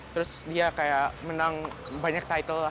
terus dia kayak menang banyak title lah